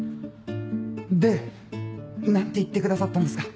で何て言ってくださったんですか？